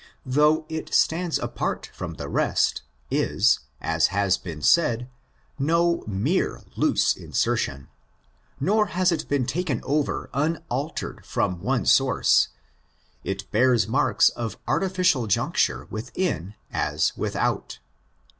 though it stands apart from the rest, 1s, as has been said, no mere loose insertion; nor has it been taken over unaltered from one source; it bears marks of artificial juncture within as without.